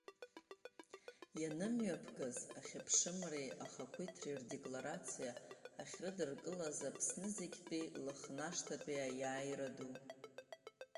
Ианымҩаԥгаз, Ахьыԥшымреи ахақәиҭреи Рдеклорациа ахьрыдыркылаз Аԥснызегьтәи лыхнашҭатәи Аизара ду…